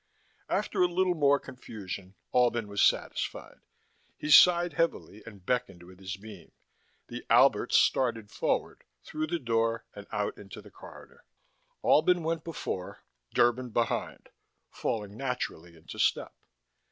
After a little more confusion, Albin was satisfied. He sighed heavily and beckoned with his beam: the Alberts started forward, through the door and out into the corridor. Albin went before, Derban behind, falling naturally into step.